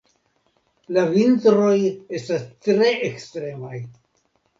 La vintroj estas tre ekstremaj.